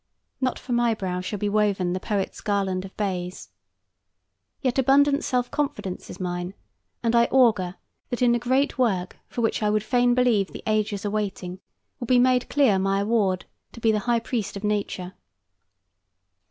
Not for my brow shall be woven the Poet's garland of bays. Yet abundant self confidence is mine, and I augur that in the great work for which I would fain believe the ages are waiting, will be made clear my award to be the high priest of Nature.